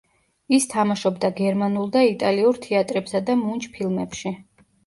ის თამაშობდა გერმანულ და იტალიურ თეატრებსა და მუნჯ ფილმებში.